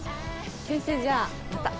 先生じゃあまた。